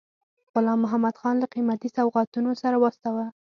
غلام محمدخان له قیمتي سوغاتونو سره واستاوه.